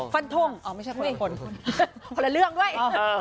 อ๋อฟันทุ่มไม่ใช่คนละคนคนละเรื่องด้วย